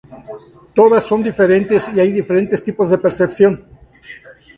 Todas son diferentes, y hay diferentes tipos de percepciones.